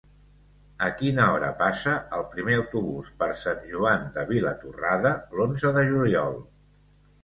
A quina hora passa el primer autobús per Sant Joan de Vilatorrada l'onze de juliol?